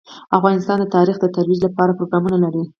افغانستان د تاریخ د ترویج لپاره پروګرامونه لري.